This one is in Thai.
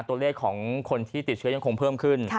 ตัวเลขของคนที่ติดเชื้อยังคงเพิ่มขึ้น